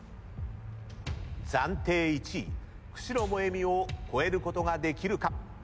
暫定１位久代萌美を超えることができるか。